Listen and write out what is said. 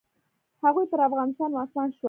هغوی پر افغانستان واکمن شول.